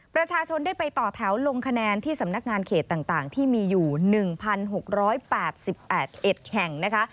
ประชาชนได้ไปต่อแถวลงคะแนนที่สำนักงานเขตต่างที่มีอยู่๑๖๘๘๑แห่งนะคะ